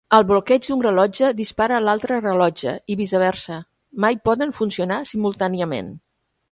El bloqueig d'un rellotge dispara l'altre rellotge i viceversa, mai poden funcionar simultàniament.